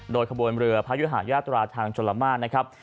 โดยขบวนเรือพระยุหายาตราทางชลมาตรนะครับ